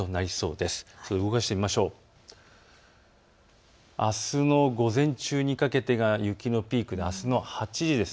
あすの午前中にかけて雪のピーク、あすの８時です。